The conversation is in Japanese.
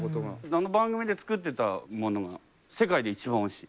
あの番組で作ってたものが世界で一番おいしい。